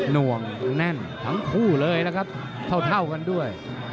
ห่วงแน่นทั้งคู่เลยนะครับเท่ากันด้วย